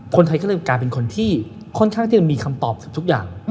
คนไทยก็เริ่มกลายเป็นคนที่ค่อนข้างที่จะมีคำตอบเกือบทุกอย่าง